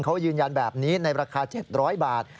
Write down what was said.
เขายืนยันแบบนี้ในราคา๗๐๐บาท